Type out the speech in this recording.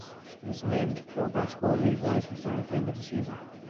He was named Pro Basketball League Rising Star at the end of the season.